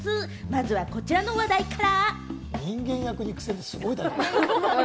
まずはこちらの話題から。